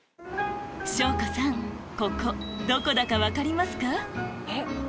翔子さんここどこだか分かりますか？